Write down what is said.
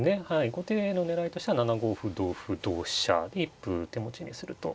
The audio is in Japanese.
後手の狙いとしては７五歩同歩同飛車で一歩手持ちにすると。